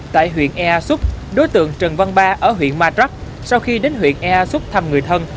tại huyện ea xúc đối tượng trần văn ba ở huyện ma trắc sau khi đến huyện ea xúc thăm người thân